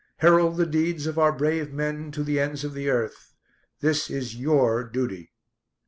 Herald the deeds of our brave men to the ends of the earth. This is your duty."